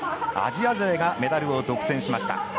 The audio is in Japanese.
アジア勢がメダル独占しました。